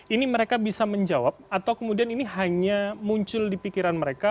ini mereka bisa menjawab atau kemudian ini hanya muncul di pikiran mereka